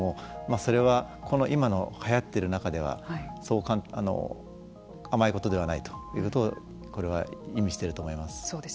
それは今の、はやってる中ではそう甘いことではないということをこれは意味していると思います。